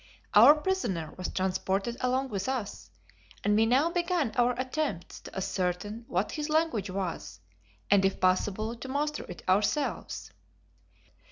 Our prisoner was transported along with us, and we now began our attempts to ascertain what his language was, and, if possible, to master it ourselves.